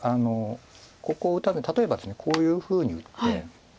ここを打たずに例えばですねこういうふうに打って。